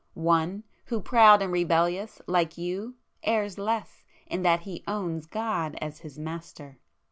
—one, who proud and rebellious, like you, errs less, in that he owns GOD as his Master!"